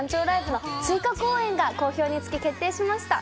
ＬＩＶＥ』の追加公演が好評につき決定しました。